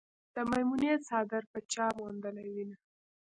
د میمونې څادر به چا موندلې وينه